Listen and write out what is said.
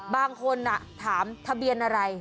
บางคนถามทะเบียนอะไร